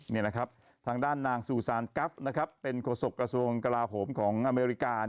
นี่นะครับทางด้านนางซูซานกรัฟเป็นโศกกระทรวงกระลาภมของอเมริกา